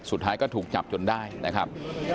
สุดท้ายก็ถูกจับจนได้นะครับ